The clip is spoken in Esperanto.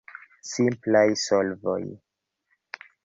Simplaj solvoj!